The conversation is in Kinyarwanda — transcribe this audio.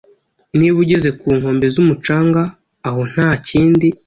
Niba ugeze ku nkombe z'umucanga Aho nta kindi